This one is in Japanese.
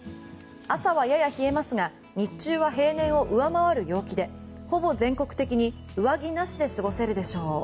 朝はやや冷えますが日中は平年を上回る陽気でほぼ全国的に上着なしで過ごせるでしょう。